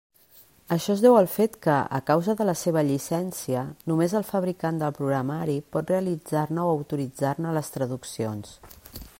Això es deu al fet que, a causa de la seva llicència, només el fabricant del programari pot realitzar-ne o autoritzar-ne les traduccions.